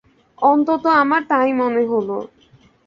অন্তত আমার তাই মনে হল।